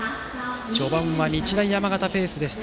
序盤は日大山形ペースでした。